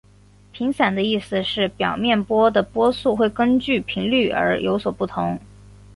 频散的意思是表面波的波速会根据频率而有所不同。